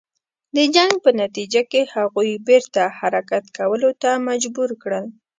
د جنګ په نتیجه کې هغوی بیرته حرکت کولو ته مجبور کړل.